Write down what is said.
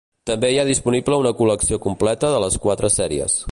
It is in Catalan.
També hi ha disponible una col·lecció completa de les quatre sèries.